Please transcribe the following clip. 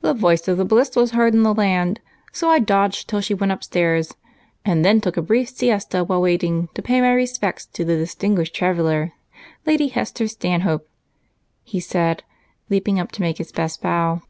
"The voice of the Bliss was heard in the land, so I dodged till she went upstairs, and then took a brief siesta while waiting to pay my respects to the distinguished traveler, Lady Hester Stanhope," he said, leaping up to make his best bow.